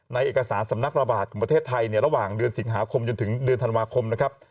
เอกสารสำนักระบาดของประเทศไทยระหว่างเดือนสิงหาคมจนถึงเดือนธันวาคมนะครับ